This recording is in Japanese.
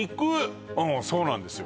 そうなんですよ